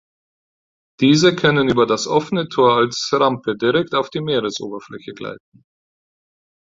Diese können über das offene Tor als Rampe direkt auf die Meeresoberfläche gleiten.